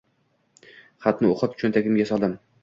Xatni o‘qib cho‘ntagimga soldim.